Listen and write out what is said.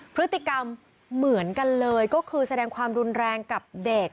พฤติกรรมเหมือนกันเลยก็คือแสดงความรุนแรงกับเด็ก